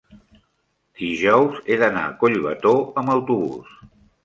dijous he d'anar a Collbató amb autobús.